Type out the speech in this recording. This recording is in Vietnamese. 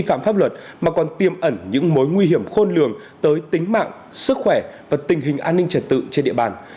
đây không chỉ là những hành vi vi pháp luật mà còn tiêm ẩn những mối nguy hiểm khôn lường tới tính mạng sức khỏe và tình hình an ninh trật tự trên địa bàn